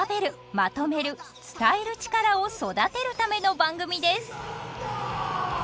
「まとめる」「つたえる」力を育てるための番組です。